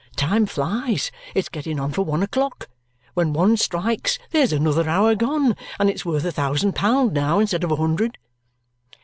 Time flies; it's getting on for one o'clock. When one strikes, there's another hour gone, and it's worth a thousand pound now instead of a hundred."